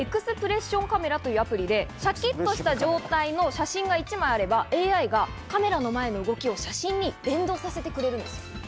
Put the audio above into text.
ｅｘｐｒｅｓｓｉｏｎｃａｍｅｒａというアプリでシャキッとした状態の写真が一枚あれば機械がカメラの前の動きを写真に連動させてくれます。